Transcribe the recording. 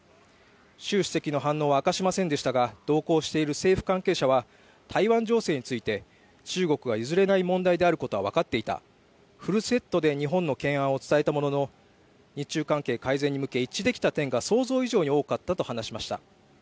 習主席の反応は明かしませんでしたが、同行している政府関係者は、台湾情勢について中国が譲れない問題であることは分かっていたフルセットで日本の懸案を伝えたものの日中関係改善に向け、一致できた点が想像以上に多かったと話しました。